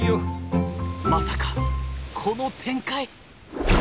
まさかこの展開！